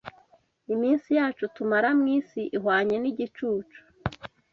iminsi yacu tumara mu isi ihwanye n’igicucu